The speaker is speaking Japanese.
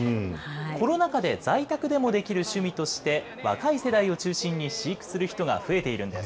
コロナ禍で在宅でもできる趣味として、若い世代を中心に飼育する人が増えているんです。